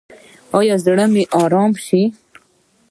ایا زړه مو ارام شو؟